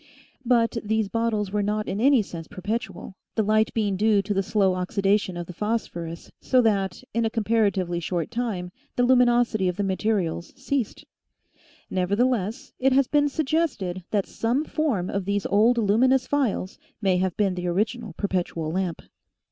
But these bottles were not in any sense perpetual, the light being due to the slow oxida tion of the phosphorus so that, in a comparatively short time, the luminosity of the materials ceased. Nevertheless, it has been suggested that some form of these old luminous phials may have been the original perpetual lamp.